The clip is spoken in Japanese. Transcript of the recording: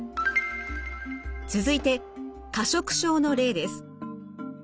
続いて過食症の例です。